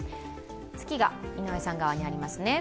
月が井上さん側にありますね。